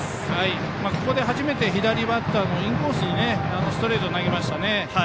ここで初めて左バッターのインコースにストレートを投げましたね。